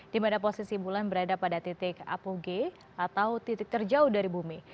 dimana posisi bulan berada pada titik apogee atau titik terjauh dari bumi